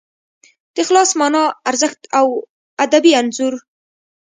د اخلاص مانا، ارزښت او ادبي انځور